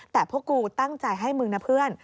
แต่พวกกูตั้งใจให้มึงนะเพื่อน